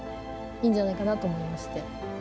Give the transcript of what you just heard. いいんじゃないかなと思いまして。